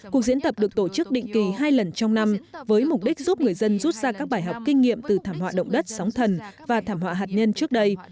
cuộc diễn tập được tổ chức định kỳ hai lần trong năm với mục đích giúp người dân rút ra các bài học kinh nghiệm từ thảm họa động đất sóng thần và thảm họa hạt nhân trước đây